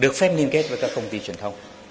được phép liên kết với các công ty truyền thông